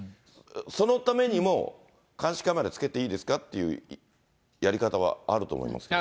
そのためにも、監視カメラつけていいですかっていうやり方はあると思いますけど。